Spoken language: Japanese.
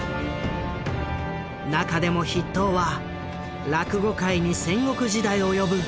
中でも筆頭は落語界に戦国時代を呼ぶこの男だった。